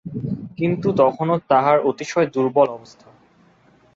কিন্তু তখনো তাঁহার অতিশয় দুর্বল অবস্থা।